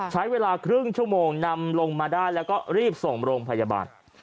ใช้เวลาครึ่งชั่วโมงนำลงมาได้แล้วก็รีบส่งโรงพยาบาล